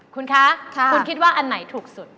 คุณคะคุณคิดว่าอันไหนถูกสุด